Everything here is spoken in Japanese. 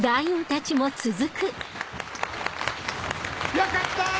よかった！